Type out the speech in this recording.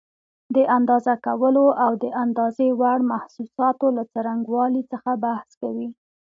د اندازه کولو او د اندازې وړ محسوساتو له څرنګوالي څخه بحث کوي.